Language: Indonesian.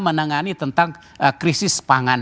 menangani tentang krisis pangan